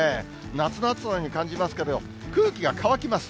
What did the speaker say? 夏の暑さのように感じますけど、空気が乾きます。